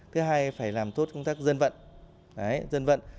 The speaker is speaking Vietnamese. thứ hai là phải làm tốt công tác dân vận